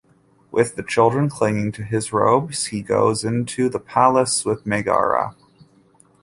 With the children clinging to his robes, he goes into the palace with Megara.